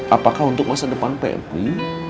apakah untuk masa depan pmi